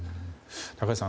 高橋さん